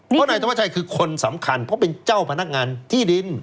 เพราะนายธวัชชัยคือคนสำคัญเพราะเป็นเจ้าพนักงานที่ดิน